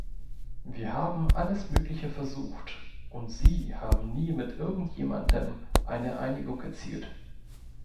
Wir haben alles Mögliche versucht, und Sie haben nie mit irgendjemandem eine Einigung erzielt.